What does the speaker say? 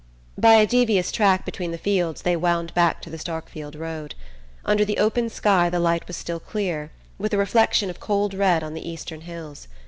By a devious track between the fields they wound back to the Starkfield road. Under the open sky the light was still clear, with a reflection of cold red on the eastern hills.